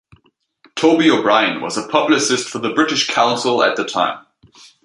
Toby O'Brien was a publicist for the British Council at the time.